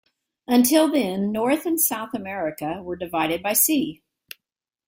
Until then North and South America were divided by sea.